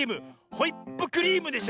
「ホイップクリーム」でしょ。